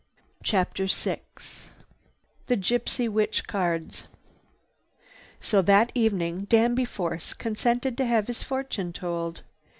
CHAPTER VI THE GYPSY WITCH CARDS So that evening Danby Force consented to have his fortune told.